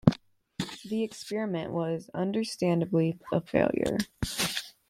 The experiment was, understandably, a failure.